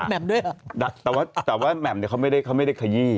แหม่มด้วยเหรอแต่ว่าแหม่มเนี่ยเขาไม่ได้ขยี้